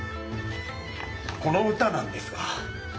この歌なんですが。